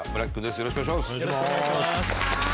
よろしくお願いします。